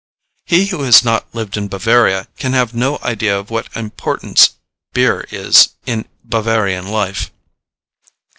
He who has not lived in Bavaria can have no idea of what importance beer is in Bavarian life.